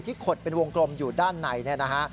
ที่ขดเป็นวงกลมอยู่ด้านในนะครับ